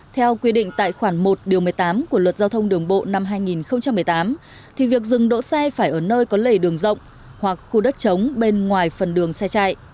theo quy định tại khoản một điều một mươi tám của luật giao thông đường bộ năm hai nghìn một mươi tám thì việc dừng đỗ xe phải ở nơi có lề đường rộng hoặc khu đất trống bên ngoài phần đường xe chạy